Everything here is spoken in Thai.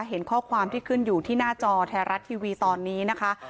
เห็นข้อความที่ขึ้นอยู่ที่หน้าจอไทยรัฐทีวีตอนนี้นะคะ